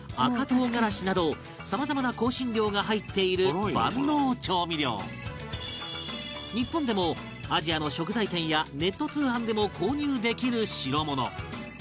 赤唐辛子などさまざまな香辛料が入っている万能調味料日本でもアジアの食材店やネット通販でも購入できる代物